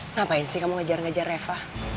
ngapain sih kamu ngejar ngejar reva